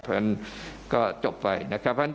เพราะฉะนั้นก็จบไปนะครับ